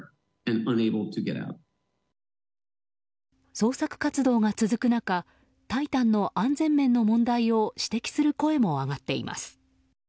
捜索活動が続く中「タイタン」の安全面の問題を指摘する声も上がっています。